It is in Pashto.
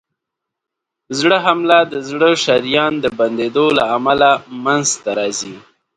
د زړه حمله د زړه د شریان د بندېدو له امله منځته راځي.